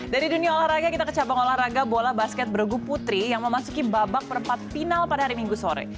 dari dunia olahraga kita ke cabang olahraga bola basket bergu putri yang memasuki babak perempat final pada hari minggu sore